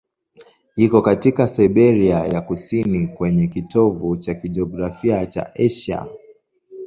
Iko katika Siberia ya kusini, kwenye kitovu cha kijiografia cha Asia.